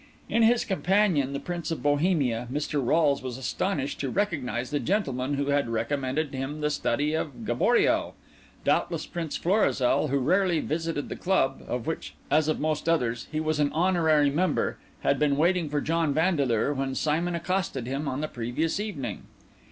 In his companion, the Prince of Bohemia, Mr. Rolles was astonished to recognise the gentleman who had recommended him the study of Gaboriau. Doubtless Prince Florizel, who rarely visited the club, of which, as of most others, he was an honorary member, had been waiting for John Vandeleur when Simon accosted him on the previous evening.